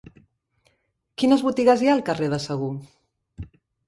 Quines botigues hi ha al carrer de Segur?